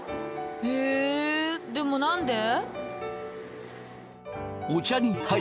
へえでも何で？